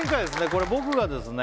これ僕がですね